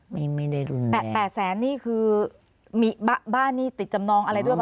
ไม่ไม่ได้รุนแรงแปดแสนนี่คือมีบ้านนี่ติดจำนองอะไรด้วยบ้างคะ